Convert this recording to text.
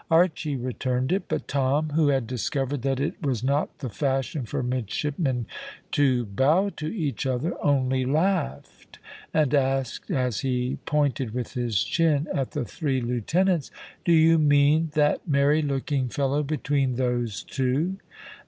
Archy returned it, but Tom, who had discovered that it was not the fashion for midshipmen to bow to each other, only laughed, and asked as he pointed with his chin at the three lieutenants "Do you mean that merry looking fellow between those two?"